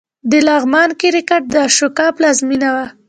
د لغمان کرکټ د اشوکا پلازمېنه وه